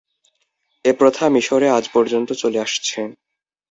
এ প্রথা মিসরে আজ পর্যন্ত চলে আসছে।